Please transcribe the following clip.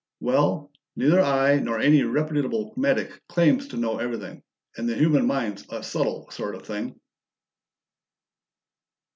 "Well, neither I nor any reputable medic claims to know everything, and the human mind's a subtle sort of thing."